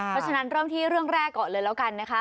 เพราะฉะนั้นเริ่มที่เรื่องแรกก่อนเลยแล้วกันนะคะ